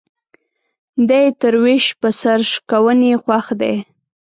دى يې تر ويش په سر شکوني خوښ دى.